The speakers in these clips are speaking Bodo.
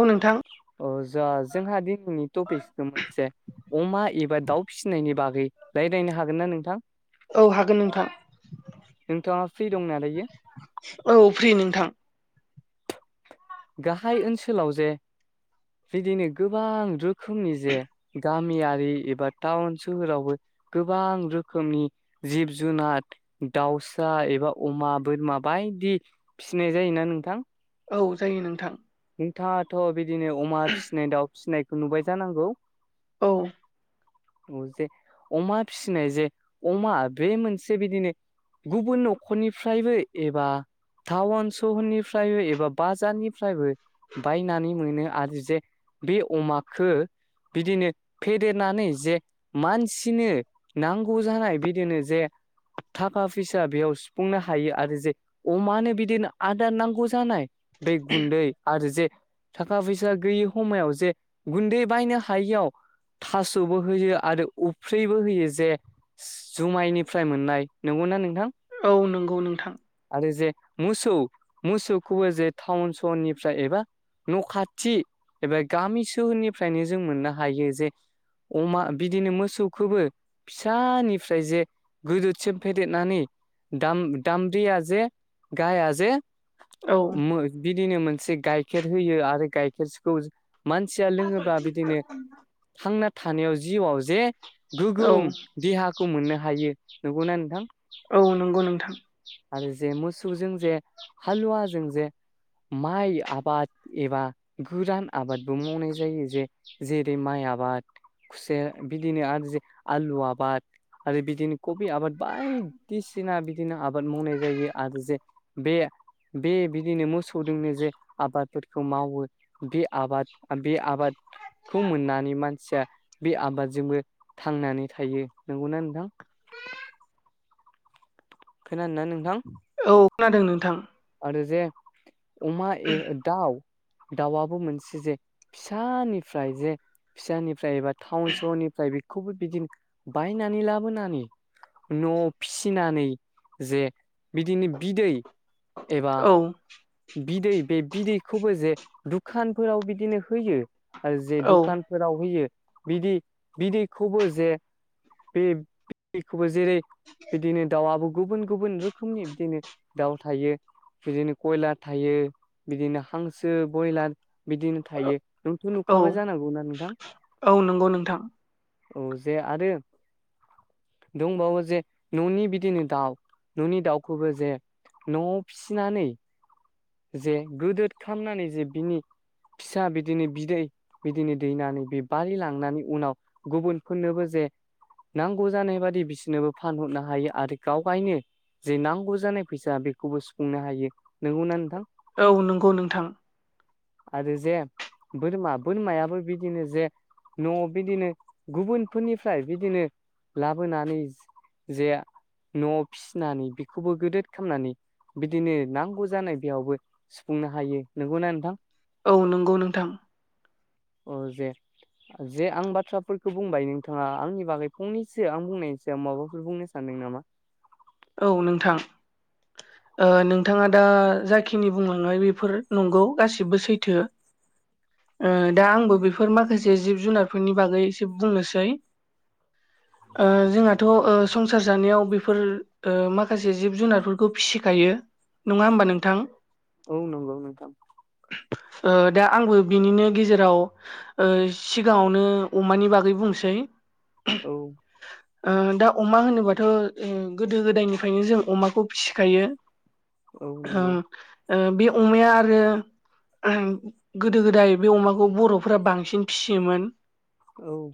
औ नोंथां अ जा जोंहा दिनैनि टपिकखौ मोनसे अमा एबा दाउ फिसिनायनि बागै रायज्लायनो हागोन ना नोंथां औ हागोन नोंथां नोंथाङा फ्रि दंनाालाययो औ फ्रि नोंथां गाहाय ओनसोलाव जे बिदिनो गोबां रोखोमनि जे गामियारि एबा टाउन सोहोरावबो गोबां रोखोमनि जिब जुनार दाउसा एबा अमा बोरमा बायदि फिसिनाय जायोना नोंथां औ जायो नोंथां नोंथाङाथ' बिदिनो अमा फिसिनाय दाउ फिसिनायखौ नुबाय जानांगौ औ औ जे अमा फिसिनाय जे अमा बे मोनसे बिदिनो गुबुन न'खरनिफ्रायबो एबा टाउन सहरनिफ्रायबो एबा बाजारनिफ्रायबो बायनानै मोनो आरो जे बे अमखौ बिदिनो फेदेरनानै जे मानसिनो नांगौ जानाय बिदिनो जे थाखा फैसा बेयाव सुफुंनो हायो आरो जे अमानो बिदिनो आदार नांगौ जानाय दै गुन्दै आरो जे थाखा फैसा गैयि समाव जे गुन्दै बायनो हायियाव थास'बो होयो आरो उफ्रिबो होयो जे जुमाइनिफ्राय मोननाय नंगौना नोंथां औ नंगौ नोंथां आरो जे मोसौ मोसौखौबो जे टाउन सहरनि एबा न' खाथि एबा गामि सोहोरनिफ्रायनो जों मोननो हायो जे अमा बिदिनो मोसौखौबो फिसानिफ्राय जे गोदोदसिम फेदेरनानै दाम-दाम्ब्रिया जे गाया जे औ बिदिनो मोनसे गाइखेर होयो आरो गायखेरखौ मानसिया लोङोबा बिदिनो थांना थानायाव जिउआव जे औ गोगोम देहाखौ मोननो हायो नंगौना नोंथां। औ नंगौ नोंथां आरो जे मोसौजों जे हालुवाजों जे माइ आबाद एबा गोरान आबादबो मावनाय जायो जे जेरै माइ आबाद खुसे बिदिनो आरो जे आलु आबाद आरो बिदिनो कबि आबाद बायदिसिना बिदिनो आबाद मावनाय जायो आरो जे बे बे बिदिनो मोसौ फोर जोंनो जे आबादफोरखौ मावो बे आबाद बे आबाद खौ मोननानै मानसिया बे आबादजोंबो थांनानै थायो नंगौना नोंथां खोनादों ना नोंथां औ खोनादों नोंथां आरो जे अमा ए दाउ दाउआबो मोनसे जे फिसानिफ्राय जे फिसानिफ्राय एबा टाउन सहरनिफ्राय बेखौबो बिदिनो बायनानै लाबोनानै न' आव फिसिनानै जे बिदिनो बिदै एबा औ बिदै बे बिदैखौबो जे दुखानफोराव बिदिनो होयो आरो जे औ दुखान फोराव होयो बिदि बिदिखौबो जे बे बिदैखौबो जेरै बिदिनो दाउबो गुबुन गुबुन रोखोमनि बिदिनो दाउ थायो। बिदिनो कयलार थायो बिदिनो हांसो बयलार बिदिनो थायो नोंथ' औ नुखाबाय जानांगौना नोंथां औ नंगौ नोंथां औ जे आरो दंबावो जे न'नि बिदिनो दाउ न'नि दाउखौबो जे न'आव फिनानै जे गोदोद खामनानै जे बिनि फिसा बिदिनो बिदै बिदिनो दैनानै बे बारि लांनानै उनाव गुबुनफोरनोबो जे नांगौ जानाय बादि बिसोरनोबो फानहरनो हायो आरो गाव गायनो जे नांगौ जानाय फैसा बेखौबो सुफुंनो हायो नंगौना नोंथां। औ नंगौ नोंथां आरो जे बोरमा बोरमायाबो बिदिनो जे न'आव बिदिनो गुबुनफोरनिफ्राय बिदिनो लाबोनानै जे न' आव फिसिनानै बेखौबो गोदद खामनानै बिदिनो नांगौ जानाय बेयावबो सुफुंनो हायो नंगौना नोंथां। औ नंगौ नोंथां औ जे जे आं बाथ्राफोरखौ बुंबाय नोंथाङा आंनि बागै फंनैसो आं बुंनायनि सायाव माबाफोर बुंनो सानदों नामा। औ नोंथां नोंथाङा दा जाखिनि बुंलांनाय बेफोर नंगौ गासिबो सैथो दा आंबो बेफोर माखासे जिब-जुनारफोरनि बागै एसे बुंनोसै ओ जोंहाथ' संसार जानायाव बेफोर ओ माखासे जिब जुनारफोरखौ फिसिखायो नङा होमबा नोंथां औ नंगौ नोंथां दा आंबो बिनिनो गेजेराव ओ सिगाङावनो अमानि बागै बुंसै औ दा अमा होनोबाथ' गोदो गोदायनिफ्रायनो जों अमाखौ फिसिखायो। औ नंगौ बे अमाया आरो गोदो गोदाय बे अमाखौ बर'फोरा बांसिन फिसियोमोन। औ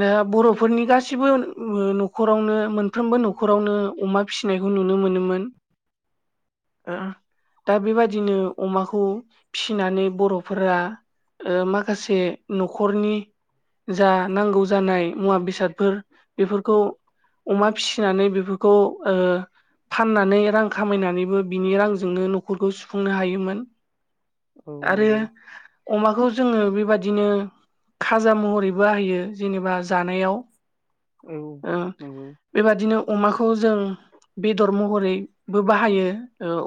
दा बर'फोरनि गासिबो न'खरावनो साफ्रोमबो न'खरावनो अमा फिसिनायखौ नुनो मोनोमोन। दा बेबायदिनो अमाखौ फिसिनानै बर'फोरा ओ माखासे न'खरनि जा नांगौ जानाय मुवा बेसादफोर बेफोरखौ अमा फिसिनानै बेफोरखौ ओ फाननानै रां खामायनानैबो बिनि रांजोंनो न'खरखौ सुफुंनो हायोमोन। औ आरो नंगौ अमाखौ जोङो बेबादिनो खाजा महरैबो बाहैयो जेनेबा जानायाव औ ओ। नंगौ बेबादिनो अमाखौ जों बेदर महरै बो बाहायो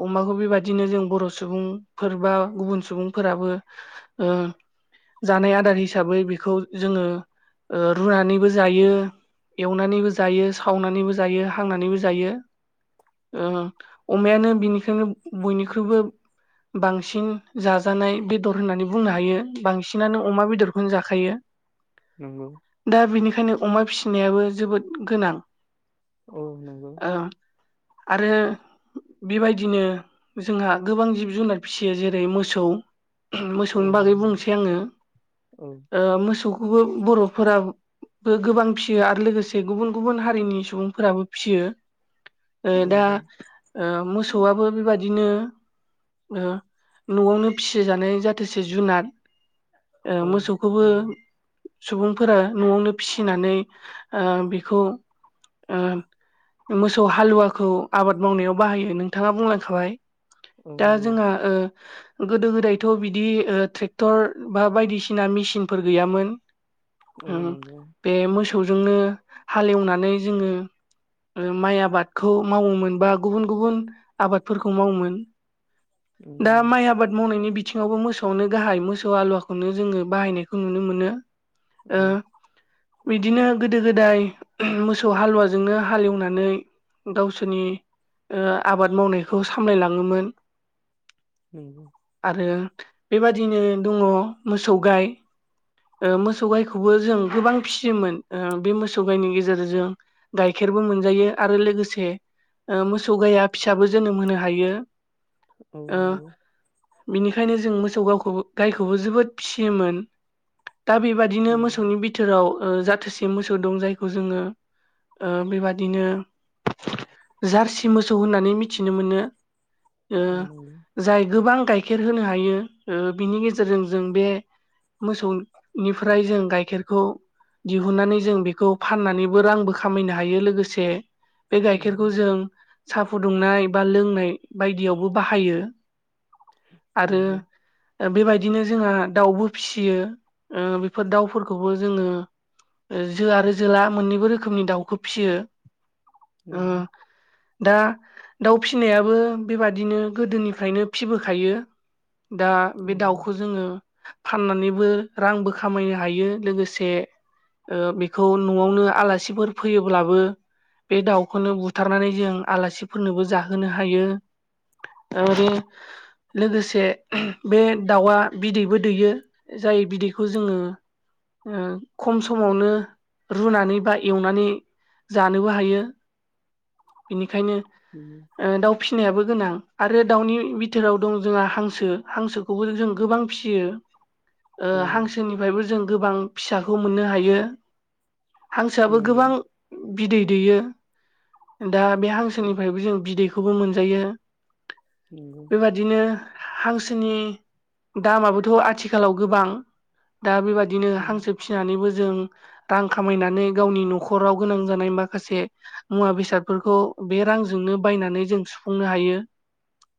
अमाखौ बेबायदिनो जों बर' सुबुंफोर बा गुबुन सुबुंफोराबो। ओ जानाय आदार हिसाबै बेखौ जोङो ओ रुनानैबो जायो एवनानैबो जायो। सावनानैबो जायो हांनानैबो जायो। अमायानो बिनिखायनो बयनिख्रुइबो बांसिन जाजानाय बेदर होननानै बुंनो हायो बांसिनानो अमा बेदरखौनो जाखायो। नंगौ दा बेनिखायनो अमा फिसिनायाबो जोबोद गोनां। औ नंगौ। आरो बेबायदिनो जोंहा गोबां जिब जुनार फिसियो जेरै मोसौ। औ मोसौनि बागै नंगौ बुंसै आङो औ मोसौ बर'फोराबो गोबां फिसियो आरो लोगोसे गुबुन गुबुन हारि हारिनि सुबुंफोराबो फिसियो। ओ दा नंगौ मोसौआबो बेबादिनो ओ न'आवनो फिसिजानाय जाथोसे जुनार। ओ औ मोसौखौबो सुबुंफोरा न'आवनो फिसिनानै ओ बेखौ ओ मोसौ हालुवाखौ आबाद मावनायाव बाहायो नोंथाङा बुंलांखाबाय। औ दा नंगौ जोंहा ओ गोदो गोदायथ' बिदि ट्रेक्टर बा बायदिसिना मेसिनफोर गैयामोन। औ नंगौ औ नंगौ बे मोसौजोंनो हालेवनानै जोङो माइ आबादखौ मावोमोन बा गुबुन गुबुन आबादफोरखौ मावोमोन। औ दा माइ आबाद मावनायनि बिथ बिथिङावबो मोसौआनो गाहाय मोसौ आलुवाखौनो जोङो बाहायनायखौ नुनो मोनो ओ बिदिनो गोदो गोदाय मोसौ मोसौ हालुवाजोंनो हालेवनानै गावसोरनि ओ आबाद मावनायखौ सामलायलाङोमोन। नंगौ। आरो बेबादिनो दङ मोसौ गाय मोसौ गायखौबो जों गोबां फिसियोमोन बे मोसौ गाइनि गेजेरजों गाइखेरबो मोनजायो आरो लोगोसे मोसौ गाया फिसाबो जोनोम होनो हायो। औ ओ नंगौ बिनिखायनो जों मोसौ गावखौबो गायखौबो जोबोद फिसियोमोन। दा बेबादि बिदिनो मोसौनि बिथोराव जाथोसे मोसौ दं जायखौ जोङो ओ बेबादिनो जार्सि मोसौ होननानै मिथिनो मोनो। ओ औ नंगौ जाय गोबां गाय खेर होनो हायो ओ बिनि गेजेरजों जों बे मोसौनिफ्राय जों गाइखेरखौ दिहुननानै जों बेखौ फाननानै बो रांबो खामायनो हायो लोगोसे बे गाइखेरखौ जों साहा फुदुंनाय बा लोंनाय बायदियावबो बाहायो‌। आरो नंगौ बेबायदिनो जोंहा दाउबो फिसियो ओ बेफोर दाउफोरखौबो जोङो जो आरो जोला मोननैबो रोखोमनि दाउखौ फिसियो। नंगौ दा दाउ फिसिनायाबो बेबादिनो गोदोनिफ्रायनो फिबोखायो। दा बे नंगौ दाउखौ जोङो फाननानैबो रांबो खामायनो हायो लोगोसे ओ बेखौ न'आवनो आलासिफोर फैयोब्लाबो बे दाउखौनो बुथारनानै जों आलासिफोरनोबो जाहोनो हायो। आरो लोगोसे बे दाउआ बिदैबो दैयो। जाय बिदैखौ जोङो ओ खम समावनो रुनानै बा एवनानै जानोबो हायो बेनिखायनो [inaudible] ओ दाउ फिनायाबो गोनां आरो दाउनि बिथोराव दं जोंहा हांसो हांसोखौबो जों गोबां फिसियो। [inaudible] ओ हांसोनिफ्रायबो जों गोबां फिसाखौ मोननो हायो। नंगौ हांसोआबो गोबां बिदै दैयो दा बे हांसोनिफ्रायबो जों बिदै खौबो मोनजायो। [inaudible] बेबादिनो हांसोनि दामाबोथ' आथिखालाव गोबां दा बेबादिनो हांसो फिसिनानैबो जों रां खामायनानै गावनि न'खराव गोनां जानाय माखासे मुवा बेसादफोरखौ बे रांजोंनो बायनानै जों सुफुंनो हायो।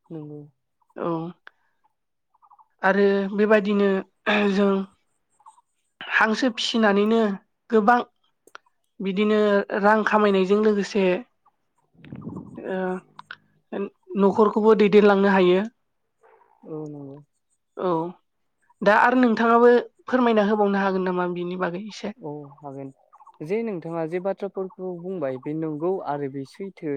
[inaudible] औ आरो बेबायदिनो जों हांसो फिसिनानैनो गोबां बिदिनो रां खामायनायजों लोगोसे ओ न'खरखौबो दैदेनलांनो हायो। औ नंगौ। औ दा आरो नोंथाङाबो फोरमायना होबावनो हागोन नामा बिनि बागै एसे? औ हागोन जे नोंथाङा जे बाथ्राफोरखौ बुंबाय बे नंगौ आरो बे सैथो।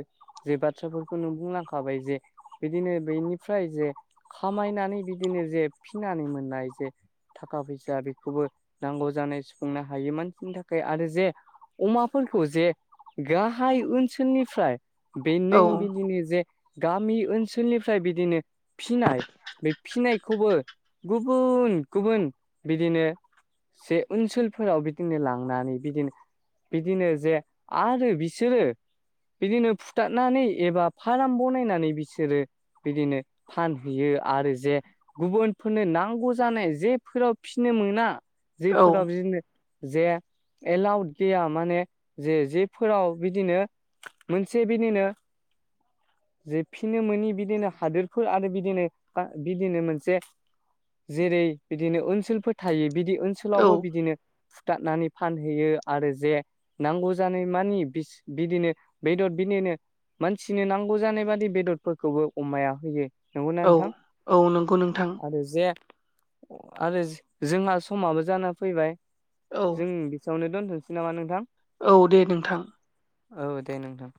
जे बाथ्राफोरखौ नों बुंलांखाबाय जे बिदिनो बेनिफ्राय जे खामायनानै बिदिनो जे फिनानै मोननाय जे थाखा फैसा बेखौबो नांगौ जानाय सुफुंनो हायोमोन बेनि थाखाय आरो जे अमाफोरखौ जे गाहाय ओनसोलनिफ्राय बे औ नों बिदिनि जे गामि ओनसोलनिफ्राय बिदिनो फिनाय बे फिनायखौबो गुबुन गुबुन बिदिनो से ओनसोल फोराव बिदिनो लांनानै बिदिनो बिदिनो जे आरो बिसोरो बिदिनो फुथारनानै एबा फार्म बनायनानै बिसोरो बिदिनो फानहैयो आरो जे गुबुनफोरनो नांगौ जानाय जेफोराव फिनो मोना औ जेफोराव बिदिनो जे एलाउड गैया माने जे जेफोराव बिदिनो मोनसे बिनिनो जोबफिनो मनि बिदिनो हादोरफोर आरो बिदिनो बा बिदिनो मोनसे जेरै बिदिनो ओनसोलफोर थायो बिदि औ ओनसोलावबो बिदिनो फुथारनानै फानहैयो आरो जे नांगौ जानाय मानि बिसो बिदिनो बेदर बिदिनो मानसिनो नांगौ जानाय बादि बेदरफोरखौबो अमाया होयो नंगौना औ नोंथां औ नंगौ नोंथां आरो जे आरो जोंहा समाबो जाना फैबाय औ जों बेसेयावनो दोन्थ'नोसै नामा नोंथां औ दे नोंथां औ दे नोंथां